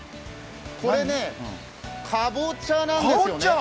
これね、かぼちゃなんですよね。